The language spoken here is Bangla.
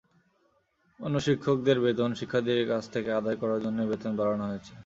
অন্য শিক্ষকদের বেতন শিক্ষার্থীদের কাছ থেকে আদায় করার জন্যই বেতন বাড়ানো হয়েছে।